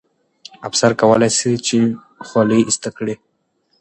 افسر کولای سي چې خولۍ ایسته کړي.